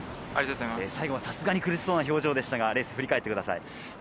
最後さすがに苦しそうな表情でしたが、レースを振り返ってください。